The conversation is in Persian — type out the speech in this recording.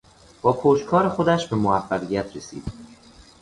با پشتکار خودش به موفقیت رسید.